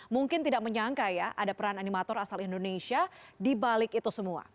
mungkin tidak menyangka ya ada peran animator asal indonesia dibalik itu semua